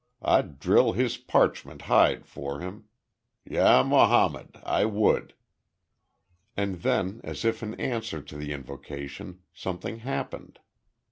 I'd drill his parchment hide for him. Ya Mahomed! I would." And then, as if in answer to the invocation, something happened.